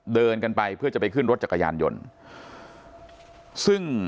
เดินกันไปเพื่อจะไปขึ้นรถจักรยานยนต์ซึ่ง